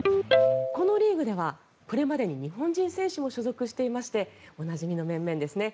このリーグでは、これまでに日本人選手も所属していましておなじみの面々ですね。